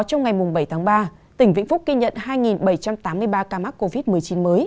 trong ngày bảy tháng ba tỉnh vĩnh phúc ghi nhận hai bảy trăm tám mươi ba ca mắc covid một mươi chín mới